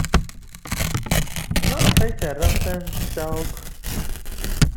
Maɣef ay tramt aya anect-a akk?